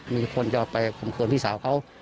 มีคนจะไปข่วนพี่สาวเขา